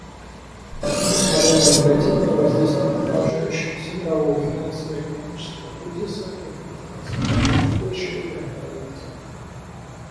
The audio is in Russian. Несмотря на негативное воздействие продолжающегося мирового финансово-экономического кризиса, Узбекистан сохраняет устойчивые темпы развития.